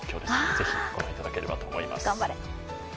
ぜひご覧いただければと思います。